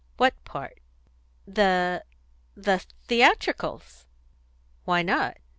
"What part?" "The the theatricals." "Why not?"